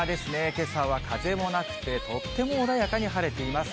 けさは風もなくて、とっても穏やかに晴れています。